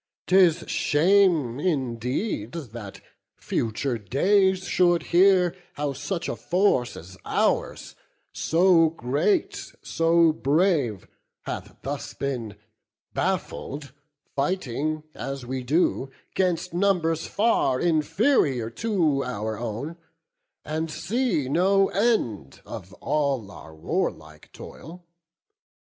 'Tis shame indeed that future days should hear How such a force as ours, so great, so brave, Hath thus been baffled, fighting, as we do, 'Gainst numbers far inferior to our own, And see no end of all our warlike toil.